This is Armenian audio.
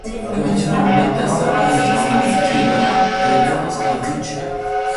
Գոյություն ունեցած տեսակների ընդհանուր թիվը դեռևս հայտնի չէ։